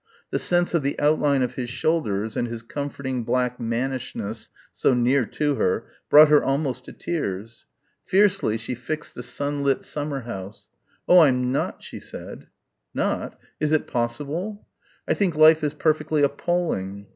The sense of the outline of his shoulders and his comforting black mannishness so near to her brought her almost to tears. Fiercely she fixed the sunlit summer house, "Oh, I'm not," she said. "Not? Is it possible?" "I think life is perfectly appalling."